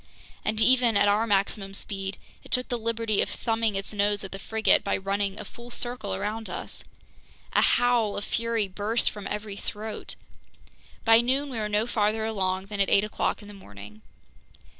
And even at our maximum speed, it took the liberty of thumbing its nose at the frigate by running a full circle around us! A howl of fury burst from every throat! By noon we were no farther along than at eight o'clock in the morning.